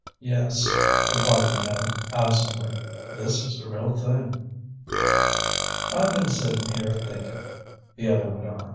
"Yes," replied Minot absently. "This is the real thing." "I've been sitting here thinking," the other went on.